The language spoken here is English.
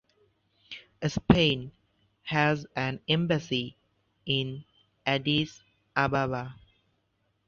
Spain has an embassy in Addis Ababa.